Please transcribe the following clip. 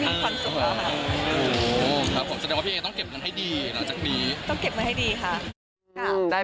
ผมเห็นความเสนอว่าพี่เองต้องเก็บมันให้ดีนะจ๊ะนี้